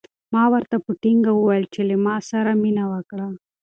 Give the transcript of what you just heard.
ما ورته په ټینګه وویل چې له ما سره مینه وکړه.